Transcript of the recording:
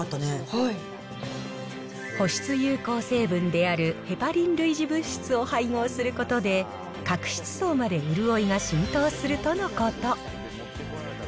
保湿有効成分であるヘパリン類似物質を配合することで、角質層まで潤いが浸透するとのこと。